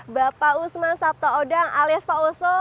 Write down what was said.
bapak usman sabta odang alias pak oso